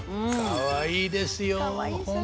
かわいいですよ本当に。